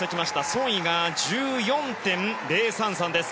ソン・イが１４．０３３です。